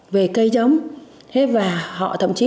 về cây giống và họ thậm chí